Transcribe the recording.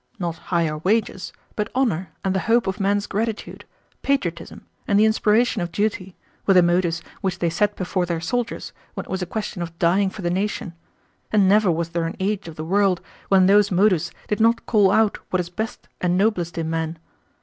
Not higher wages, but honor and the hope of men's gratitude, patriotism and the inspiration of duty, were the motives which they set before their soldiers when it was a question of dying for the nation, and never was there an age of the world when those motives did not call out what is best and noblest in men.